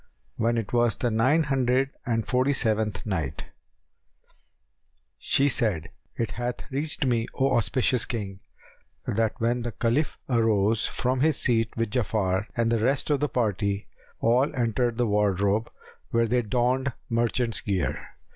When it was the Nine Hundred and Forty seventh Night, She said, It hath reached me, O auspicious King, that when the Caliph arose from his seat with Ja'afar and the rest of the party, all entered the wardrobe, where they donned merchant's gear.